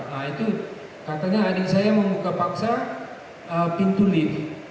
nah itu katanya adik saya membuka paksa pintu lift